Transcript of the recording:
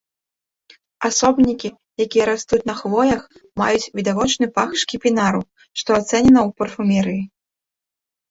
Асобнікі, якія растуць на хвоях, маюць відавочны пах шкіпінару, што ацэнена ў парфумерыі.